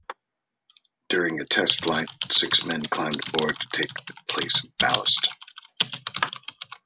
During a test flight, six men climbed aboard to take the place of ballast.